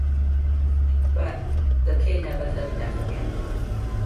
But, the plane never turned left again.